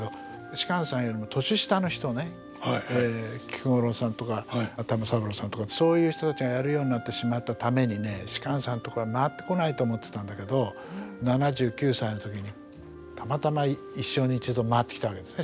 芝さんよりも年下の人ね菊五郎さんとか玉三郎さんとかそういう人たちがやるようになってしまったためにね芝さんのとこには回ってこないと思ってたんだけど７９歳の時にたまたま一生に一度回ってきたわけですね